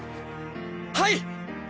はい！